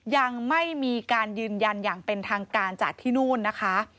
ยังไม่มีการยืนยันอย่างเป็นทางการจากที่นู่นนะคะ